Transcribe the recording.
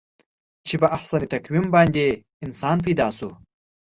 چې په احسن تقویم باندې انسان پیدا شو.